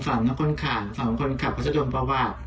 ฝนกลับจะโดนตลอด